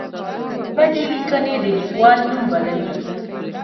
بدې لیکنې د لیکوال نوم بدوي.